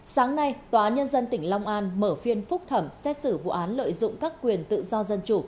sáng nay tòa nhân dân tỉnh long an mở phiên phúc thẩm xét xử vụ án lợi dụng các quyền tự do dân chủ